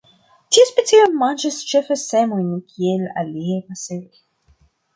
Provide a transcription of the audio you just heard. Tiu specio manĝas ĉefe semojn, kiel aliaj paseroj.